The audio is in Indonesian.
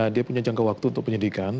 dia punya jangka waktu untuk penyidikan